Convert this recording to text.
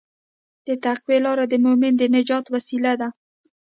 د تقوی لاره د مؤمن د نجات وسیله ده.